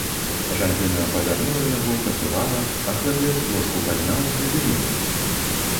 Жанчына павярнула яго, паківала, а хлапец дошку падняў, зазірнуў.